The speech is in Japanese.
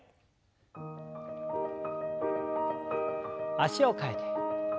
脚を替えて。